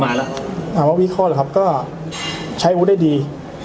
นางไหนเข้ามาปะอ่ะว่าวิคศาหรอครับก็ใช้ศัพท์ได้ดี